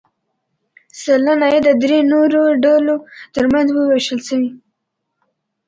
سلنه یې د درې نورو ډلو ترمنځ ووېشل شوې.